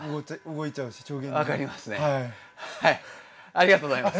ありがとうございます。